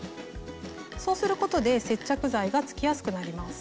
そうすることで接着剤がつきやすくなります。